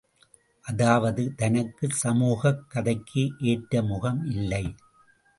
அதாவது தனக்கு சமூகக் கதைக்கு ஏற்ற முகம் இல்லை.